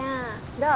どう？